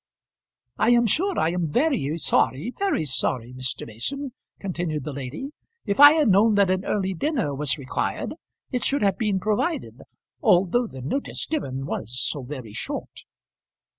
"I am sure I am very sorry, very sorry, Mr. Mason," continued the lady. "If I had known that an early dinner was required, it should have been provided; although the notice given was so very short."